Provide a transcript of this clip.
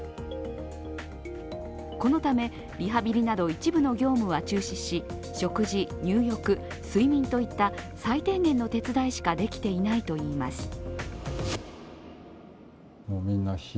このため、リハビリなど一部の業務は中止し食事、入浴、睡眠といった最低限の手伝いしかできていないといいます。